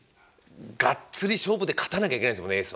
がっつり勝負で勝たなきゃいけないですもんね